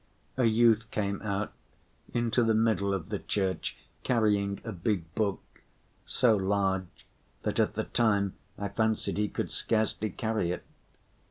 A youth came out into the middle of the church carrying a big book, so large that at the time I fancied he could scarcely carry it.